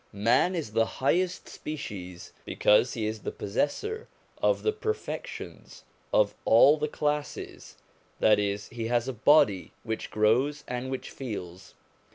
Man is the highest species because he is the possessor of the perfections of all the classes ; that is, he has a body which grows and which feels.